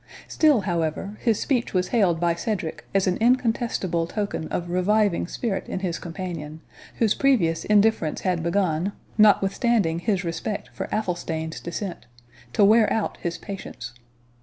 Still, however, his speech was hailed by Cedric as an incontestible token of reviving spirit in his companion, whose previous indifference had begun, notwithstanding his respect for Athelstane's descent, to wear out his patience.